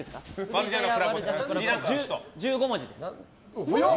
１５文字です。